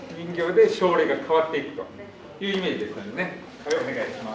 はいお願いします。